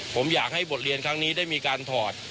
ผมอยากให้บทเรียนครั้งนี้ได้มีการถอด